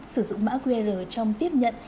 sử dụng mã qr trong tiếp nhận